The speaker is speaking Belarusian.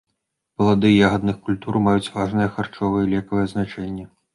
Плады ягадных культур маюць важнае харчовае і лекавае значэнне.